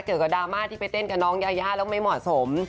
ดราม่าที่ไปเต้นกับน้องยายาแล้วไม่เหมาะสม